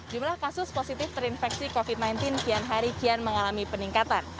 jumlah kasus positif terinfeksi covid sembilan belas kian hari kian mengalami peningkatan